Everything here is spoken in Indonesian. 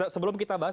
sebelum kita bahas